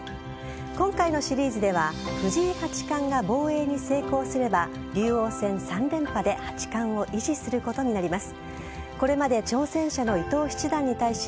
今回のシリーズでは藤井八冠が防衛に成功すれば竜王戦３連覇で八冠を維持することになります。